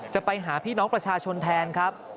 จะไปหาพี่น้องประชาชนแทนครับ